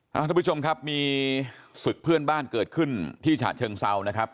ท่านผู้ชมครับมีศึกเพื่อนบ้านเกิดขึ้นที่ฉะเชิงเซานะครับ